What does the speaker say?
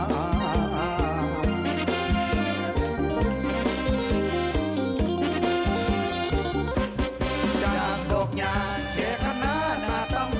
จากโดกหญาแช่ข้างหน้าหน้าต่ำ